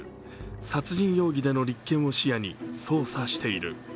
殺人容疑での立件を視野に捜査している。